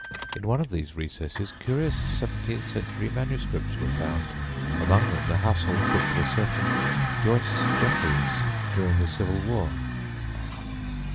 In one of these recesses curious seventeenth century manuscripts were found, among them, the household book of a certain "Joyce Jeffereys" during the Civil War.